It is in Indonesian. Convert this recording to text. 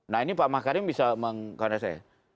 nah ini pak makarim bisa mengkata saya